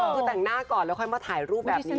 คือแต่งหน้าก่อนแล้วค่อยมาถ่ายรูปแบบนี้